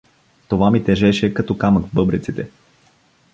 Това ми тежеше като камък в бъбреците.